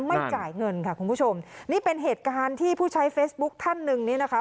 ไม่จ่ายเงินค่ะคุณผู้ชมนี่เป็นเหตุการณ์ที่ผู้ใช้เฟซบุ๊คท่านหนึ่งนี่นะคะ